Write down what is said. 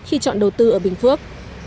khi chọn đầu tư ở bình phước